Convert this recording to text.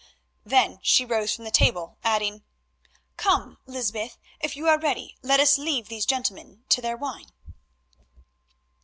Then she rose from the table, adding—"Come, Lysbeth, if you are ready, let us leave these gentlemen to their wine."